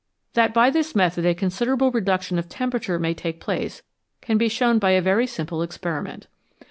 That by this method a considerable reduction of temperature may take place can be shown by a very simple experiment.